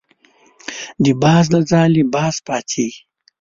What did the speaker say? د باز له ځالې باز پاڅېږي.